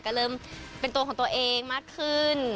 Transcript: ก็เริ่มเป็นตัวของตัวเองมากขึ้น